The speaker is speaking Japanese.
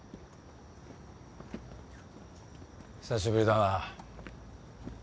久しぶりだな。